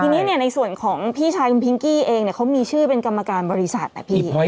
ทีนี้เนี้ยในส่วนของพี่ชายพิ้งกี้เองเนี้ยเขามีชื่อเป็นกรรมการบริษัทอะพี่